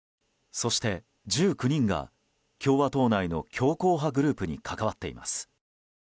そして１９人が、共和党内の強硬派グループに関わっています。